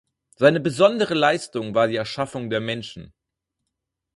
Seine besondere Leistung war die Erschaffung der Menschen.